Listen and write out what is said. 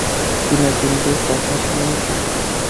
জ্বি না, কিন্তু কথা শুনছি।